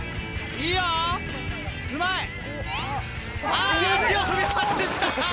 あぁ足を踏み外した！